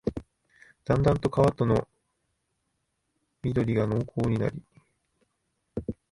だんだんと川との縁が濃厚になり、